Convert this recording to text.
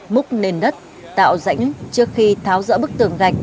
múc nền đất tạo rãnh trước khi tháo rỡ bức tường gạch